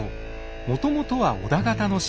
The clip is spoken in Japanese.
もともとは織田方の城。